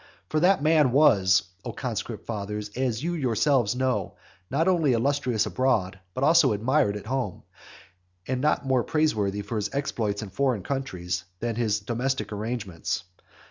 For that man was, O conscript fathers, as you yourselves know, not only illustrious abroad, but also admirable at home; and not more praiseworthy for his exploits in foreign countries, than for his domestic arrangements.